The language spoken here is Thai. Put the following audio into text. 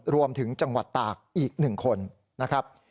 รวมถึงจังหวัดตากอีก๑คนนะครับ